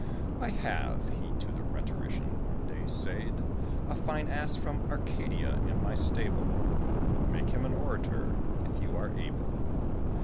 "I have," he to the rhetorician one day said, "A fine ass from Arcadia in my stable; Make him an orator, if you are able."